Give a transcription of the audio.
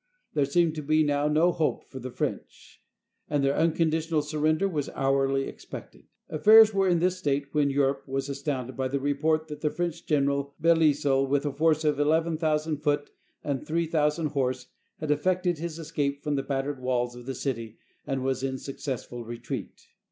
There seemed to be now no hope for the French, and their unconditional surrender was hourly expected. Affairs were in this state, when Eu rope was astounded by the report that the French gen eral, Belleisle, with a force of ii, ooo foot and 3000 horse, had effected his escape from the battered walls of the city and was in successful retreat.